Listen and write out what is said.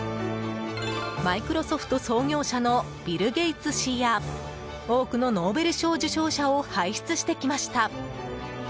マイクロソフト創業者のビル・ゲイツ氏や多くのノーベル賞受賞者を輩出してきました。